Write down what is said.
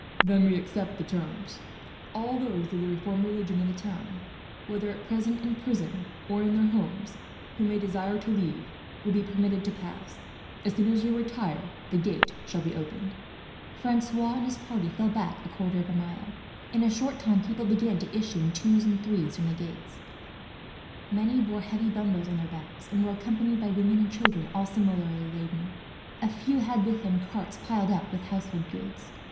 "Then we accept the terms. All those of the reformed religion in the town, whether at present in prison or in their homes, who may desire to leave, will be permitted to pass. As soon as you retire, the gate shall be opened." Francois and his party fell back a quarter of a mile. In a short time, people began to issue in twos and threes from the gate. Many bore heavy bundles on their backs, and were accompanied by women and children, all similarly laden. A few had with them carts, piled up with household goods.